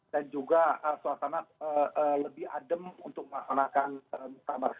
dan juga suasana lebih adem untuk masyarakat